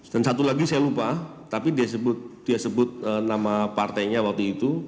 dan satu lagi saya lupa tapi dia sebut nama partainya waktu itu